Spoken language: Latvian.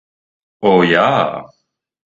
O, jā!